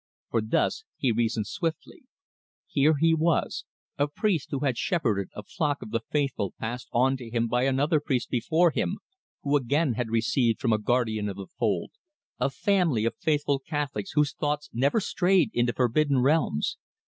For thus he reasoned swiftly: Here he was, a priest who had shepherded a flock of the faithful passed on to him by another priest before him, who again had received them from a guardian of the fold a family of faithful Catholics whose thoughts never strayed into forbidden realms.